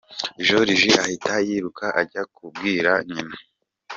Joriji ahita yiruka ajya kubibwira nyina!.